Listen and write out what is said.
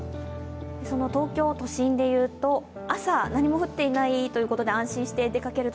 東京都心でいうと、朝、何も降っていないと安心して出かけると